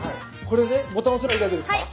これでボタン押せばいいだけですか？